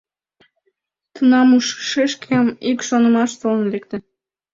Тунам ушышкем ик шонымаш толын лекте.